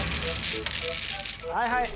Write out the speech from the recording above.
はいはい。